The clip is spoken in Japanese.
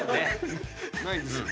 ないですよね。